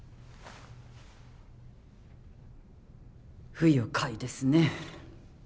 不愉快ですね。